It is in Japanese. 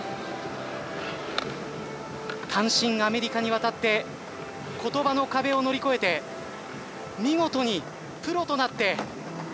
単身アメリカに渡って言葉の壁を乗り越えて見事にプロとなって東京に帰ってきた！